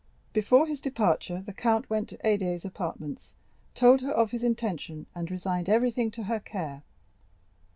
Before his departure, the count went to Haydée's apartments, told her his intention, and resigned everything to her care.